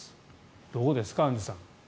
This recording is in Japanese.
どうですかアンジュさん。